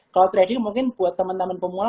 kalau trading mungkin buat teman teman pemula